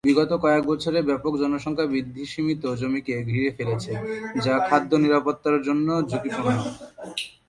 বিগত কয়েক বছরে ব্যাপক জনসংখ্যা বৃদ্ধি সীমিত জমিকে ঘিরে ফেলেছে, যা খাদ্য নিরাপত্তার জন্য ঝুঁকিপূর্ণ।